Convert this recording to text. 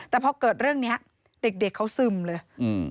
แต่พอเกิดเรื่องนี้เด็กเขาซึมเลย